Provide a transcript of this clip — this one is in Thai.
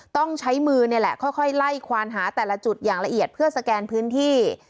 ต้องใช้มือนี่แหละค่อยไล่ควานหาแต่ละจุดอย่างละเอียดเพื่อสแกนพื้นที่